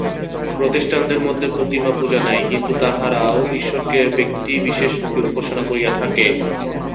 প্রোটেষ্ট্যাণ্টদের মধ্যে প্রতিমাপূজা নাই, কিন্তু তাহারাও ঈশ্বরকে ব্যক্তিবিশেষরূপে উপাসনা করিয়া থাকে।